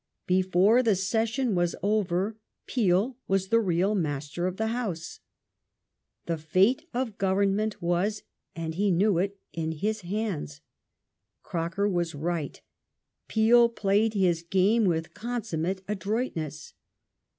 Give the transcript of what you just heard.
Before the session was over Peel was'the real master of the House. The fate of the Government was, and he knew it, in his hands." Croker was right. Peel played his game with consum mate adroitness.